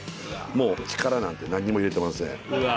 もう力なんて何も入れてませんうわ